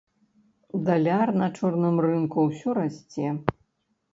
Даляр на чорным рынку ўсё расце.